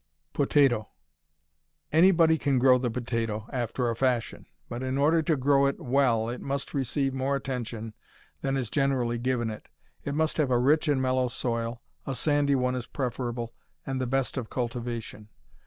Potato Anybody can grow the potato, after a fashion. But in order to grow it well it must receive more attention than is generally given it. It must have a rich and mellow soil a sandy one is preferable and the best of cultivation.